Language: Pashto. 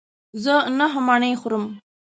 زه نهه مڼې خورم.